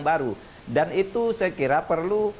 baru dan itu saya kira perlu